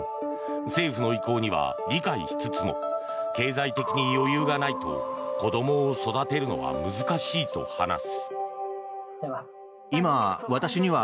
政府の意向には理解しつつも経済的に余裕がないと子どもを育てるのは難しいと話す。